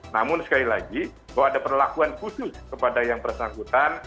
namun sekali lagi bahwa ada perlakuan khusus kepada yang bersangkutan